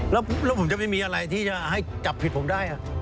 แล้วผมจะไม่มีอะไรที่จะให้จับผิดผมได้